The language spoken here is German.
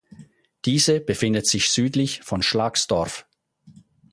Diese befindet sich südlich von Schlagsdorf.